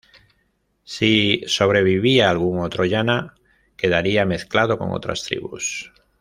Si sobrevivía algún otro yana, quedaría mezclado con otras tribus.